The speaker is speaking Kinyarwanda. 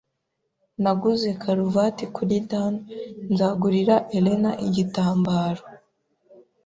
Naguze karuvati kuri Dan nzagurira Elena igitambaro.